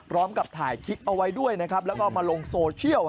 พร้อมกับถ่ายคลิปเอาไว้ด้วยนะครับแล้วก็มาลงโซเชียล